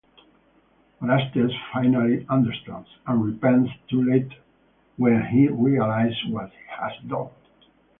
Orastes finally understands, and repents too late when he realises what he has done.